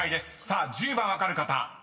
さあ１０番分かる方］